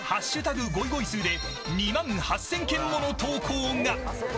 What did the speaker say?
ゴイゴイスーで２万８０００件もの投稿が。